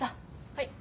はい。